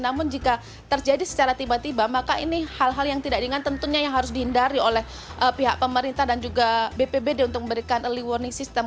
namun jika terjadi secara tiba tiba maka ini hal hal yang tidak ringan tentunya yang harus dihindari oleh pihak pemerintah dan juga bpbd untuk memberikan early warning system